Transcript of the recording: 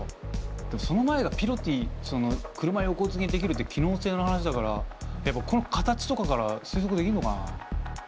でもその前がピロティ車横付けにできるって機能性の話だからやっぱこの形とかから推測できんのかな？